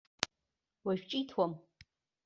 Уажә ҿиҭуам.